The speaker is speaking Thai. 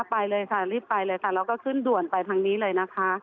ไปเลยค่ะรีบไปเลยค่ะแล้วก็ขึ้นด่วนไปทางนี้เลยนะคะ